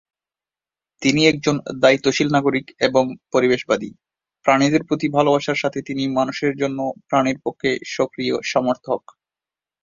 তিনি একজন দায়িত্বশীল নাগরিক এবং পরিবেশবাদী; প্রাণীদের প্রতি ভালবাসার সাথে তিনি মানুষের জন্য প্রাণীর পক্ষে সক্রিয় সমর্থক।